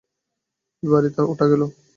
এই বাড়িতেই ওঠা গেল।